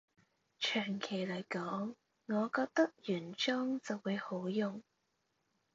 長期來講，我覺得原裝就會好用